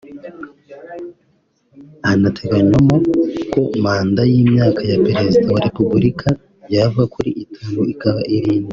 Hanateganywamo ko manda y’imyaka ya Perezida wa Repubulika yava kuri itanu ikaba irindwi